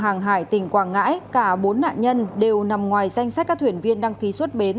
hàng hải tỉnh quảng ngãi cả bốn nạn nhân đều nằm ngoài danh sách các thuyền viên đăng ký xuất bến